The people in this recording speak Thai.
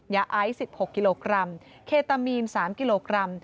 ยาไอซ์๑๖กิโลกรัมเคตามีน๓กิโลกรัม